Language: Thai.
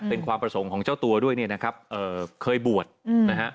เป็นความประสงค์ของเจ้าตัวด้วยเนี่ยนะครับเอ่อเคยบวชนะฮะ